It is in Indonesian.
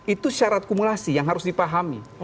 itu syarat kumulasi yang harus dipahami